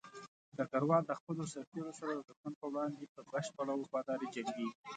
ډګروال د خپلو سرتېرو سره د دښمن په وړاندې په بشپړه وفاداري جنګيږي.